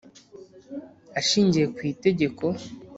Ashingiye ku Itegeko